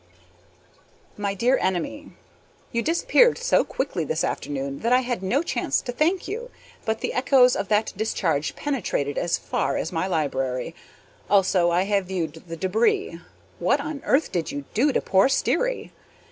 My dear Enemy: You disappeared so quickly this afternoon that I had no chance to thank you, but the echoes of that discharge penetrated as far as my library. Also, I have viewed the debris. What on earth did you do to poor Sterry?